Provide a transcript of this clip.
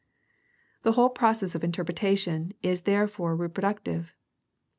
The whole process of interpretation is therefore reproduc tive.